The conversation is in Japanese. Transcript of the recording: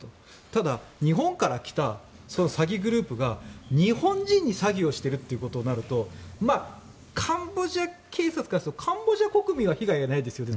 ただ日本から来た詐欺グループが日本人に詐欺をしているということになるとカンボジア警察からするとカンボジア国民は被害はないですよね。